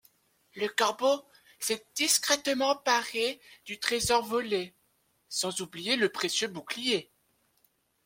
Le Corbeau s'est discrètement emparé du trésor volé, sans oublier le précieux bouclier.